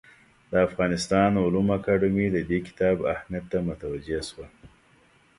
د افغانستان علومو اکاډمي د دې کتاب اهمیت ته متوجه شوه.